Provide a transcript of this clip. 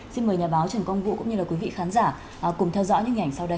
xin mời nhà báo trần công vũ cũng như quý vị khán giả cùng theo dõi những hình ảnh sau đây